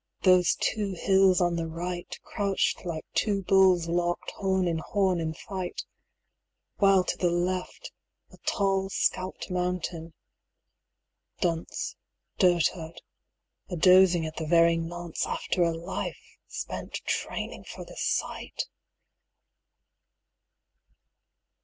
those two hills on the right, Crouched like two bulls locked horn in horn in fight; While to the left, a tall scalped mountain ... Dunce, Dotard, a dozing at the very nonce, After a life spent training for the sight!